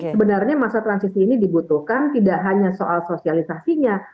sebenarnya masa transisi ini dibutuhkan tidak hanya soal sosialisasinya